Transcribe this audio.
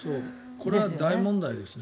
これは大問題ですね。